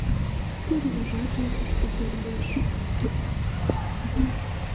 Тӱрлыжат ушышто пӧрдеш.